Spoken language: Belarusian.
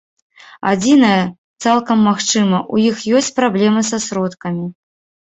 Адзінае, цалкам магчыма, у іх ёсць праблемы са сродкамі.